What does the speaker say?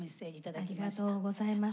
ありがとうございます。